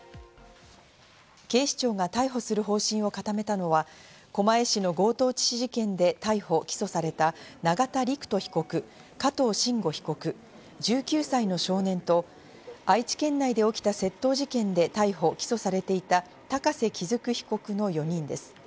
警視庁が逮捕する方針を固めたのは、狛江市の強盗致死事件で逮捕・起訴された永田陸人被告、加藤臣吾被告、１９歳の少年と愛知県内で起きた窃盗事件で逮捕・起訴されていた高瀬基嗣被告の４人です。